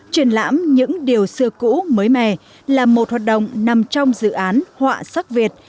truyền lãm những điều xưa cũ mới mè là một hoạt động nằm trong dự án họa sắc việt